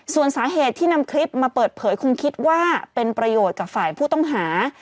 ส่วนสาเหตุที่นำคลิปมาเปิดเผยคงคิดว่าเป็นประโยชน์กับฝ่ายผู้ต้องหา